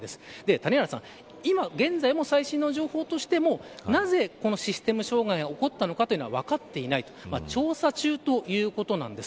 谷原さん、今、現在も最新の情報としてもなぜ、このシステム障害が起こったのかというのはわかっていない調査中ということなんです。